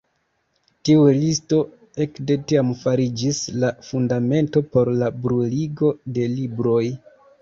Tiu listo ekde tiam fariĝis la fundamento por la bruligo de libroj.